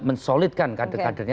men solidkan kader kadernya